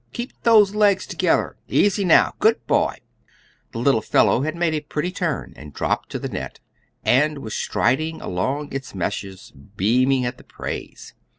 Keep those legs together. Easy now. Good boy!" The little fellow had made a pretty turn and drop to the net, and was striding along its meshes, beaming at the praise.